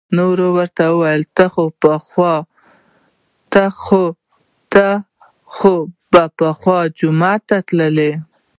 نو ورته یې وویل: ته خو به پخوا جمعې ته تللې.